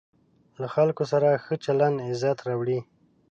له خلکو سره ښه چلند عزت راوړي.